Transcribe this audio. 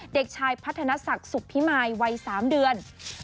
เด็กชายพัฒนศักดิ์สุขพิมายวัย๓เดือน